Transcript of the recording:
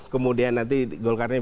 kemudian nanti golkar nya bisa